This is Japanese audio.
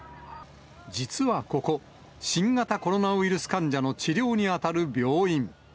実はここ、新型コロナウイルス患者の治療に当たる病院。